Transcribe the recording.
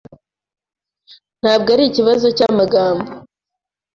Ntabwo ari ikibazo cyamagambo.